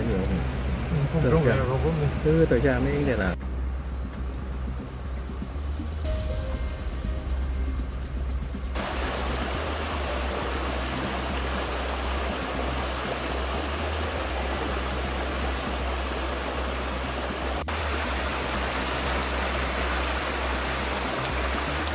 เมื่อเวลาอันดับสุดท้ายมันกลายเป็นภูมิที่สุดท้าย